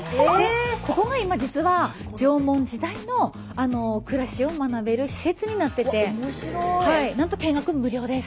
ここが今実は縄文時代の暮らしを学べる施設になっててなんと見学無料です。